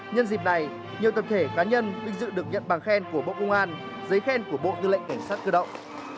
nhân dịp này nhiều tập thể cá nhân vinh dự được nhận bằng khen của bộ công an giấy khen của bộ tư lệnh cảnh sát cơ động